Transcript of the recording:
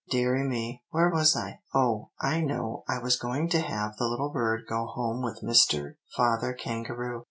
"Deary me, where was I? Oh, I know, I was going to have the little bird go home with Mr. Father Kangaroo."